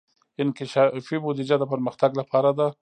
انکشافي بودجه د پرمختګ لپاره ده